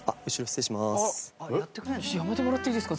やめてもらっていいですか？